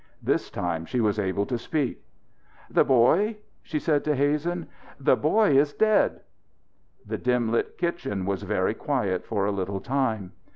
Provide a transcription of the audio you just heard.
This time she was able to speak. "The boy?" she said to Hazen. "The boy is dead!" The dim lit kitchen was very quiet for a little time.